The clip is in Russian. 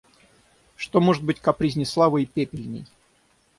Что может быть капризней славы и пепельней?